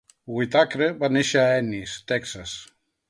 Whitacre va néixer a Ennis, Texas.